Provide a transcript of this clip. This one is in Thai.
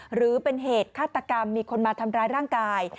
หรือเป็นเหตุฆาตกรรมมีคนมาทำร้ายร่างกาย